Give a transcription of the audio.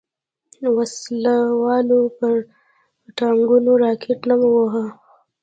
وسله والو پر ټانګونو راکټ نه وواهه.